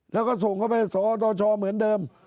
แล้วก็ส่งเข้าไปสอตชเหมือนเดิม